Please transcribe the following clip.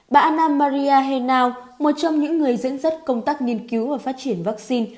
bà anna maria henao một trong những người dẫn dắt công tác nghiên cứu và phát triển vaccine